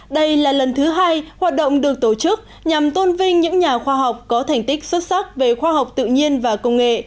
đây là lần thứ hai hoạt động được tổ chức nhằm tôn vinh những nhà khoa học có thành tích xuất sắc về khoa học tự nhiên và công nghệ